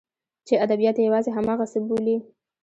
چې ادبیات یوازې همغه څه بولي.